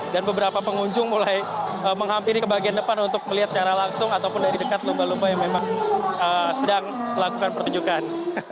dan beberapa pengunjung mulai menghampiri ke bagian depan untuk melihat secara langsung ataupun dari dekat lumba lumba yang memang sedang melakukan pertunjukan